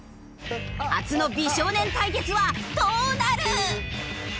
初の美少年対決はどうなる？